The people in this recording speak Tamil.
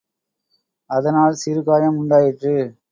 அதனால் சிறு காயம் உண்டாயிற்று.